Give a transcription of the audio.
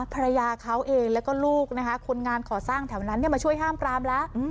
ภรรยาเขาเองแล้วก็ลูกนะคะคนงานก่อสร้างแถวนั้นมาช่วยห้ามปรามแล้ว